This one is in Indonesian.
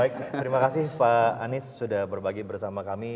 baik terima kasih pak anies sudah berbagi bersama kami